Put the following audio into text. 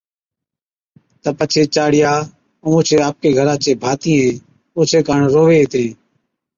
تہ پڇي چاڙِيا اور اوڇي آپڪي گھران چي ڀاتِيئين اوڇي ڪاڻ رووي ھِتين